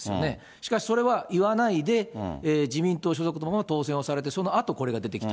しかしそれは言わないで、自民党所属のまま当選をされて、そのあと、これが出てきた。